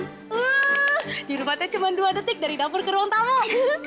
wuuu dirumahnya cuma dua detik dari dapur ke ruang tolong